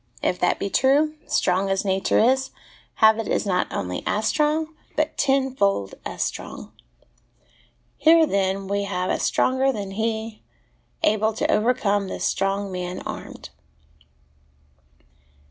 If that be true, strong as nature is, habit is not only as strong, but tenfold as strong. Here, then, have we a stronger than he, able to overcome this strong man armed.